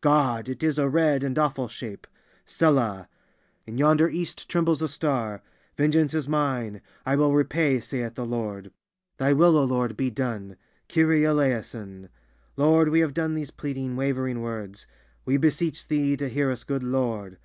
God! It is a red and awful shape. Selah! In yonder East trembles a star. Vengeance is mine; I will repay, saith the Lord! Thy will, O Lord, be done! Kyrie Eleison! Lord, we have done these pleading, wavering words. We beseech Thee to hear us, good Lord!